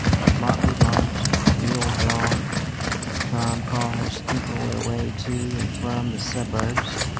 Smartly varnished mule drawn tramcars tinkle their way to and from the suburbs.